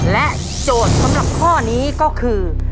และโจทย์สำหรับข้อนี้ก็คือ